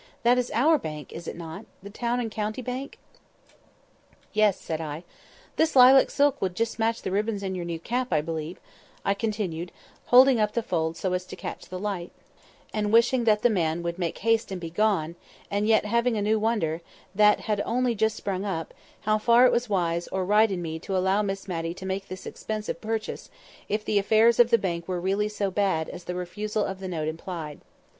"That is our bank, is it not?—the Town and County Bank?" "Yes," said I. "This lilac silk will just match the ribbons in your new cap, I believe," I continued, holding up the folds so as to catch the light, and wishing that the man would make haste and be gone, and yet having a new wonder, that had only just sprung up, how far it was wise or right in me to allow Miss Matty to make this expensive purchase, if the affairs of the bank were really so bad as the refusal of the note implied.